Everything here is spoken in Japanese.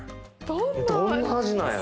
どんな味なんやろ。